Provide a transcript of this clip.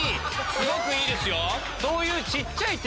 すごくいいですよ！